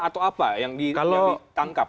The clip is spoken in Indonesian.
atau apa yang ditangkap